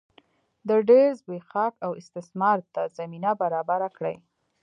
د ډېر زبېښاک او استثمار ته زمینه برابره کړي.